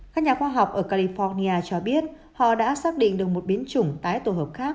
các nhà khoa học ở california cho biết họ đã xác định được một biến chủng tái tổ hợp khác